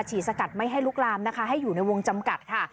สกัดไม่ให้ลุกลามนะคะให้อยู่ในวงจำกัดค่ะ